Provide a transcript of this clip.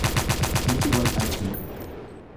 Nuti wal-argina.